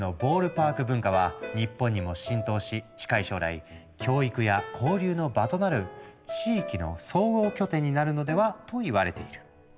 パーク文化は日本にも浸透し近い将来教育や交流の場となる地域の総合拠点になるのではといわれている。